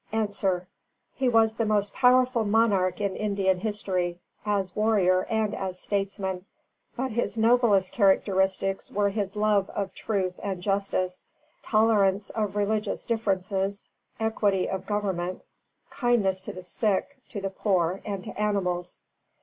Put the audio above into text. _ A. He was the most powerful monarch in Indian history, as warrior and as statesman; but his noblest characteristics were his love of truth and justice, tolerance of religious differences, equity of government, kindness to the sick, to the poor, and to animals.